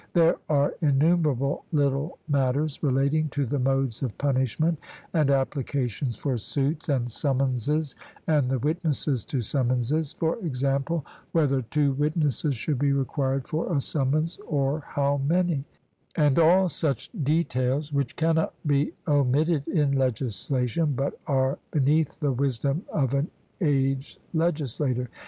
There are innumerable little matters relating to the modes of punishment, and applications for suits, and summonses and the witnesses to summonses for example, whether two witnesses should be required for a summons, or how many and all such details, which cannot be omitted in legislation, but are beneath the wisdom of an aged legislator.